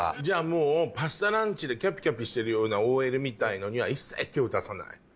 じゃあもうパスタランチでキャピキャピしてるようなＯＬみたいのには手を出さない？